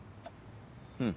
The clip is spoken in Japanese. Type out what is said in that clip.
うん。